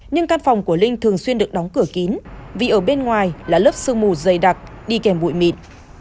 nhưng căn phòng của linh thường xuyên được đóng cửa kín vì ở bên ngoài là lớp sương mù dày đặc đi kèm bụi mịn